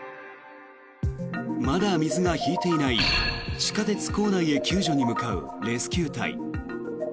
まだ水が引いていない地下鉄構内へ救助へ向かうレスキュー隊。